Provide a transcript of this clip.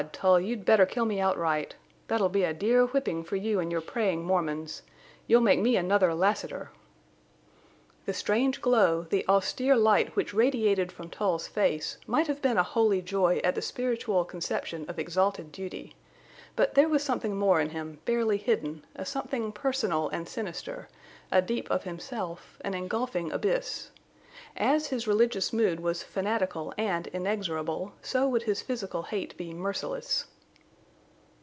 —Tull you'd better kill me outright. That'll be a dear whipping for you and your praying Mormons. You'll make me another Lassiter!" The strange glow, the austere light which radiated from Tull's face, might have been a holy joy at the spiritual conception of exalted duty. But there was something more in him, barely hidden, a something personal and sinister, a deep of himself, an engulfing abyss. As his religious mood was fanatical and inexorable, so would his physical hate be merciless.